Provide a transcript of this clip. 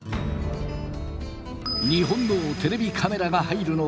日本のテレビカメラが入るのは初めて。